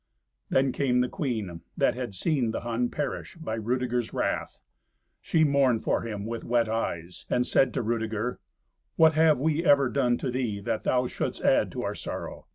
Then came the queen, that had seen the Hun perish by Rudeger's wrath. She mourned for him with wet eyes, and said to Rudeger, "What have we ever done to thee that thou shouldst add to our sorrow?